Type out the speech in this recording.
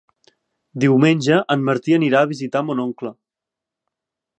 Diumenge en Martí anirà a visitar mon oncle.